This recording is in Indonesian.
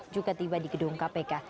juga tiba di gedung kpk